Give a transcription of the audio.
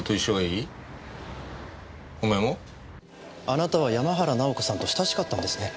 あなたは山原直子さんと親しかったんですね？